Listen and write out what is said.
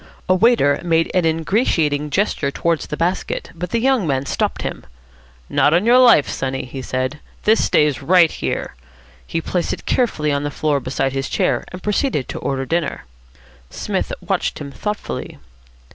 A waiter made an ingratiating gesture towards the basket, but the young man stopped him. "Not on your life, sonny," he said. "This stays right here." He placed it carefully on the floor beside his chair, and proceeded to order dinner. Psmith watched him thoughtfully.